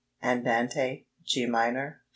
Andante, G minor, 4 4.